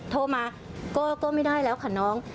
โทรมาก็ไม่ได้แล้วค่ะน้อง